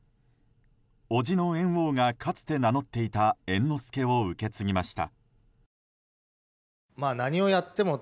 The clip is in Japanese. おじの猿翁がかつて名乗っていた猿之助を受け継ぎました。